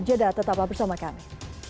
jada tetaplah bersama kami